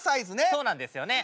そうなんですよね。